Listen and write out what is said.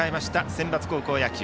センバツ高校野球。